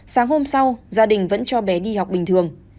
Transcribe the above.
sáng hôm sau gia đình vẫn cho bé đi học bình thường